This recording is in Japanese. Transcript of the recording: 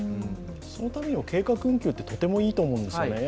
そのためにも計画運休ってとてもいいと思うんですよね。